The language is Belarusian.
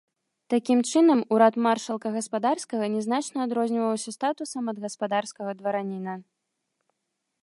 Такім чынам, урад маршалка гаспадарскага не значна адрозніваўся статусам ад гаспадарскага двараніна.